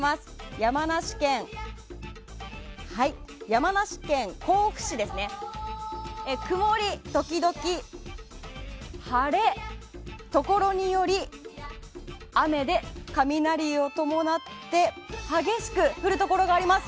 山梨県甲府市は曇り時々晴れところにより雨で雷を伴って激しく降るところがあります。